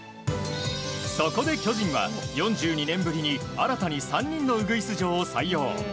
そこで巨人は４２年ぶりに新たに３人のウグイス嬢を採用。